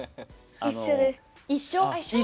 一緒です。